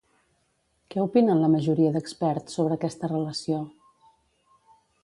Què opinen la majoria d'experts sobre aquesta relació?